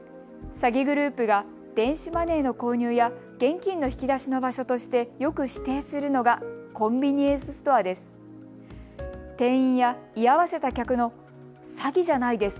詐欺グループが電子マネーの購入や現金の引き出しの場所としてよく指定するのがコンビニエンスストアです。